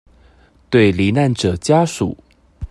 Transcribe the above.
對罹難者家屬